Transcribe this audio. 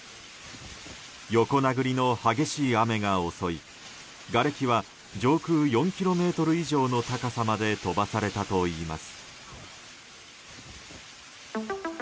横殴りの激しい雨が襲いがれきは上空４ｋｍ以上の高さまで飛ばされたといいます。